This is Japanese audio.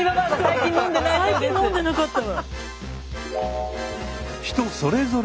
最近飲んでなかったわ。